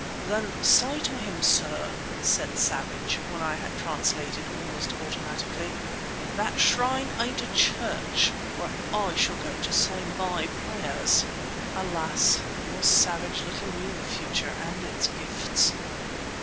"Then say to him, sir," said Savage, when I had translated almost automatically, "that shrine ain't a church where I shall go to say my prayers." Alas! poor Savage little knew the future and its gifts.